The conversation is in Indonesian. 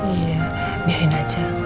iya biarin aja